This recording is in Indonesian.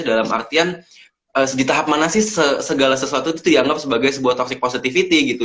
dalam artian di tahap mana sih segala sesuatu itu dianggap sebagai sebuah toxic positivity gitu